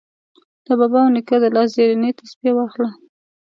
د بابا او د نیکه د لاس زرینې تسپې واخله